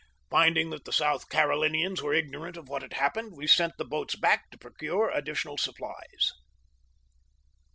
Finding that the South Carolinians were ignorant of what had happened, we sent the boats back to procure additional supplies.